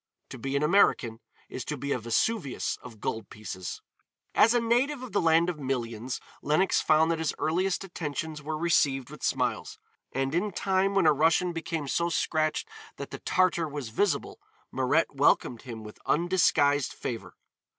To be an American is to be a Vesuvius of gold pieces. As a native of the land of millions, Lenox found that his earliest attentions were received with smiles, and in time when a Russian became so scratched that the Tartar was visible, Mirette welcomed him with undisguised favor.